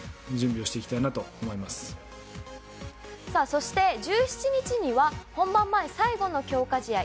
そして１７日には本番前最後の強化試合